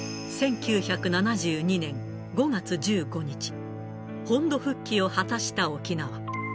１９７２年５月１５日、本土復帰を果たした沖縄。